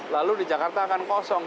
lalu di jakarta akan kosong